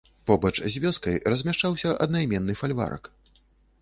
Побач з вёскай размяшчаўся аднайменны фальварак.